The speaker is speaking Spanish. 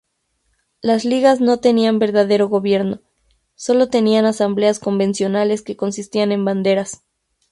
Las "ligas" no tenían verdadero gobierno, sólo tenían asambleas convencionales que consistían en "banderas".